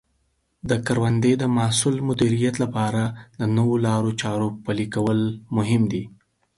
د کروندې د محصول مدیریت لپاره د نوو لارو چارو پلي کول مهم دي.